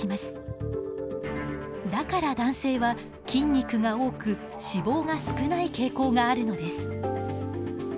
だから男性は筋肉が多く脂肪が少ない傾向があるのです。